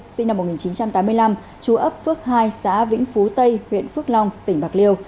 sinh năm một nghìn chín trăm tám mươi năm chú ấp phước hai xã vĩnh phú tây huyện phước long tỉnh bạc liêu